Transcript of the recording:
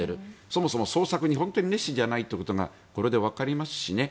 そもそも捜索に本当に熱心じゃないということがこれでわかりますしね。